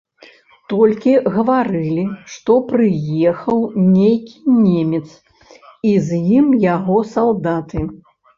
Толькі гаварылі, што прыехаў нейкі немец і з ім яго салдаты.